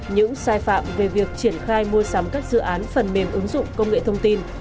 những sai phạm về việc triển khai mua sắm các dự án phần mềm ứng dụng công nghệ thông tin